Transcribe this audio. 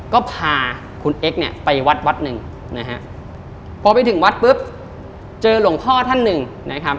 ก็พาคุณเอ็กซเนี่ยไปวัดวัดหนึ่งนะฮะพอไปถึงวัดปุ๊บเจอหลวงพ่อท่านหนึ่งนะครับ